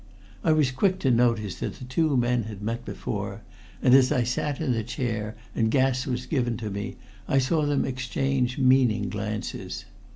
I was quick to notice that the two men had met before, and as I sat in the chair and gas was given to me I saw them exchange meaning glances.